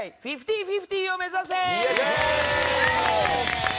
５０：５０を目指せ！